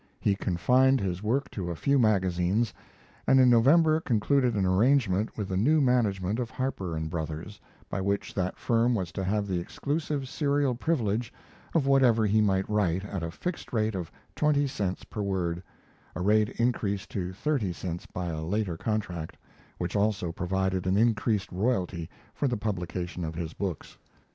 He confined his work to a few magazines, and in November concluded an arrangement with the new management of Harper & Brothers, by which that firm was to have the exclusive serial privilege of whatever he might write at a fixed rate of twenty cents per word a rate increased to thirty cents by a later contract, which also provided an increased royalty for the publication of his books.